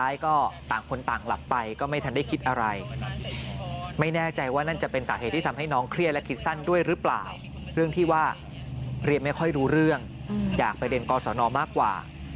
อยากไปเด่นกอสนอบมากกว่า